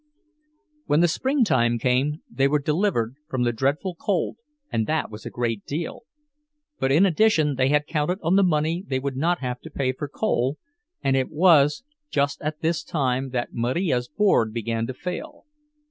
When the springtime came, they were delivered from the dreadful cold, and that was a great deal; but in addition they had counted on the money they would not have to pay for coal—and it was just at this time that Marija's board began to fail.